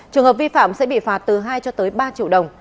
trường hợp vi phạm sẽ bị phạt từ hai cho tới ba triệu đồng